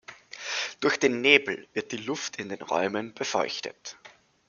Durch den Nebel wird die Luft in den Räumen befeuchtet.